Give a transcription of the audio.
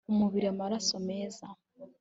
umubiri amaraso meza